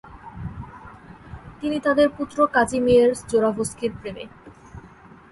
তিনি তাদের পুত্র কাজিমিয়েরজ জোরাভস্কির প্রেমে